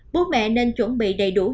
bố mẹ nên chuẩn bị đầy đủ dùng